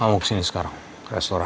aku melayan dan ini sarang sehatnya